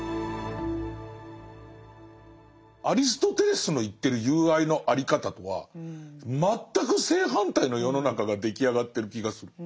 アリストテレスの言ってる友愛のあり方とは全く正反対の世の中が出来上がってる気がする。